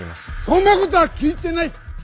そんなことは聞いてない！